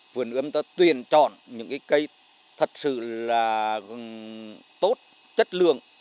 vườn ươm ta tuyển trọn những cái cây thật sự là tốt chất lượng